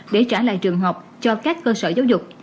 để trả lại trường học cho các cơ sở giáo dục